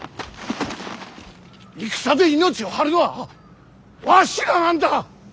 戦で命を張るのはわしらなんだ！